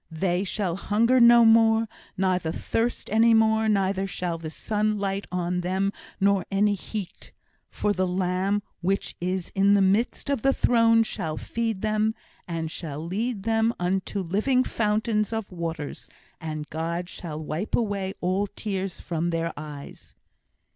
They shall hunger no more, neither thirst any more; neither shall the sun light on them, nor any heat. For the Lamb which is in the midst of the throne shall feed them, and shall lead them unto living fountains of waters, and God shall wipe away all tears from their eyes.